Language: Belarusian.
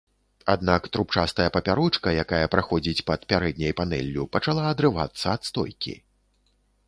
Аднак, трубчастая папярочка, якая праходзіць пад пярэдняй панэллю, пачала адрывацца ад стойкі.